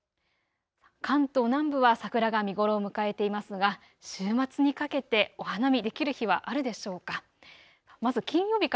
関東南部は桜が見頃を迎えていますが週末にかけてお花見できる日はあるでしょうか。